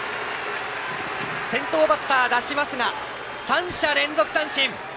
先頭バッター出しますが３者連続三振。